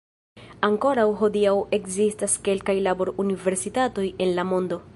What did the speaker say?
Ankoraŭ hodiaŭ ekzistas kelkaj labor-universitatoj en la mondo.